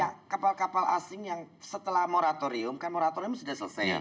ada kapal kapal asing yang setelah moratorium kan moratorium sudah selesai